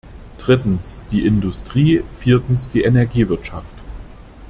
Drittens, die Industrie, viertens die Energiewirtschaft.